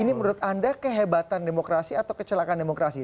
ini menurut anda kehebatan demokrasi atau kecelakaan demokrasi